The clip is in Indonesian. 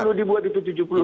kalau dulu dibuat di tempat itu